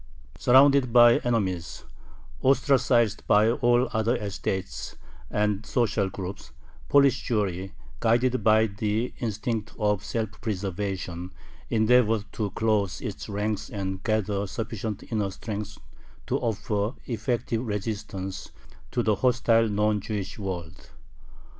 Surrounded by enemies, ostracized by all other estates and social groups, Polish Jewry, guided by the instinct of self preservation, endeavored to close its ranks and gather sufficient inner strength to offer effective resistance to the hostile non Jewish world.